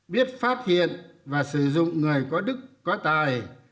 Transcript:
biết phát hiện và sử dụng người có đức có tài